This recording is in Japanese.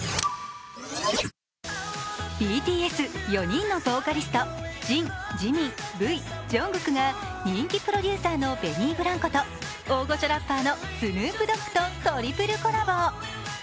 ＢＴＳ、４人のボーカリスト、ＪＩＮ、ＪＩＭＩＮ、Ｖ、ＪＵＮＧＫＯＯＫが人気プロデューサーのベニー・ブランコと大御所ラッパーのスヌープ・ドッグとトリプルコラボ。